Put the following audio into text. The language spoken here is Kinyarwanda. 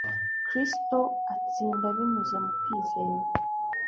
Kristo atsinda binyuze mu kwizera.